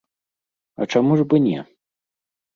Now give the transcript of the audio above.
А чаму ж бы не?